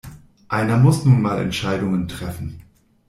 Einer muss nun mal Entscheidungen treffen.